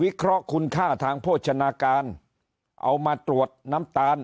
เคราะห์คุณค่าทางโภชนาการเอามาตรวจน้ำตาล